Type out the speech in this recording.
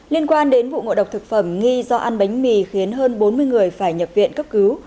liên quan đến vụ ngộ độc thực phẩm nghi do ăn bánh mì khiến hơn bốn mươi người phải nhập viện cấp cứu